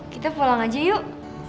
kita pulang aja yuk